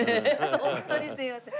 ホントにすいません。